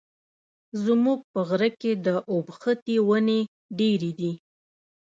زموږ په غره کي د اوبښتي وني ډېري دي.